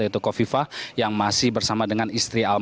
yaitu kafifah yang masih bersama dengan istri almarhum